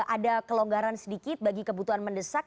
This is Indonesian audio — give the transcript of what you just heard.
ada kelonggaran sedikit bagi kebutuhan mendesak